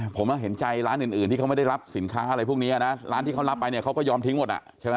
ผมเห็นใจร้านอื่นที่เขาไม่ได้รับสินค้าอะไรพวกนี้นะร้านที่เขารับไปเนี่ยเขาก็ยอมทิ้งหมดอ่ะใช่ไหม